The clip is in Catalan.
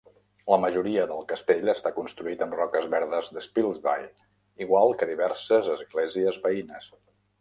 La majoria del castell està construït amb roques verdes de Spilsby, igual que diverses esglésies veïnes.